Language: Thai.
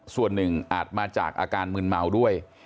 ส่วนหนึ่งอาจมาจากอาการมืนเมาด้วย